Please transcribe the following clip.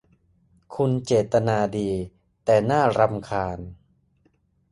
คุณเจตนาดี แต่น่ารำคาญ